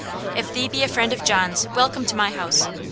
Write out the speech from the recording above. "If thee be a friend of John's, welcome to my house.